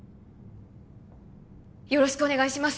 よろしくお願いします